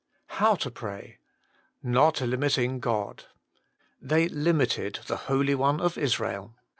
HOW TO PRAY. $.ot limiting <Soi "They limited the Holy One of Israel."